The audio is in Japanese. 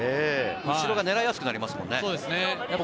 後ろが狙いやすくなりますからね。